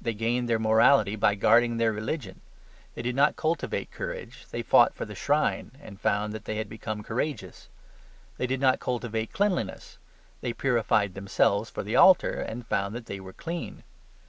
They gained their morality by guarding their religion. They did not cultivate courage. They fought for the shrine, and found they had become courageous. They did not cultivate cleanliness. They purified themselves for the altar, and found that they were clean.